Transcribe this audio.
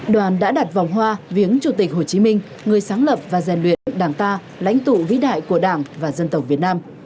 đoàn đã đặt vòng hoa viếng chủ tịch hồ chí minh người sáng lập và rèn luyện đảng ta lãnh tụ vĩ đại của đảng và dân tộc việt nam